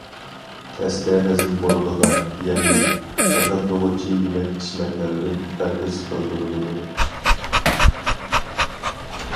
تەستە ھەزىم بولىدىغان، يەللىك، غىدىقلىغۇچى يېمەك-ئىچمەكلەردىن پەرھىز قىلدۇرۇلىدۇ.